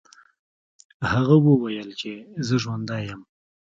هغه وویل چې زه ژوندی یم.